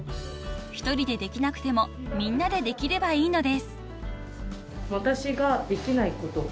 ［１人でできなくてもみんなでできればいいのです］